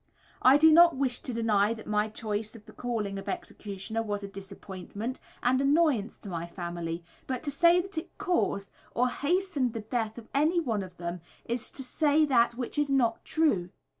I do not wish to deny that my choice of the calling of executioner was a disappointment and annoyance to my family; but to say that it caused, or hastened the death of any one of them is to say that which is not true.